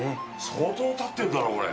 相当たってるだろう、これ。